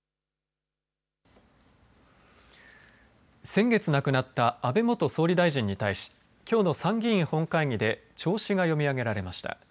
先月亡くなった安倍元総理大臣に対し、きょうの参議院本会議で弔詞が読み上げられました。